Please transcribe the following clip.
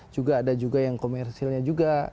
juga ada juga yang komersilnya juga